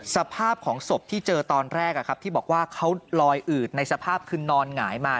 สภาพของศพที่เจอตอนแรกที่บอกว่าเขาลอยอืดในสภาพคือนอนหงายมา